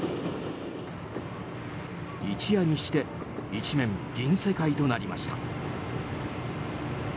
一夜にして一面銀世界となりました。